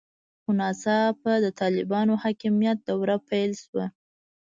خو ناڅاپه د طالبانو حاکمیت دوره پیل شوه.